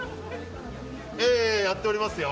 ええ、やっておりますよ。